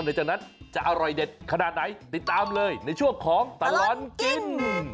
หลังจากนั้นจะอร่อยเด็ดขนาดไหนติดตามเลยในช่วงของตลอดกิน